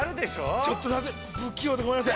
◆ちょっと不器用でごめんなさい。